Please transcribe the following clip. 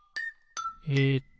えっと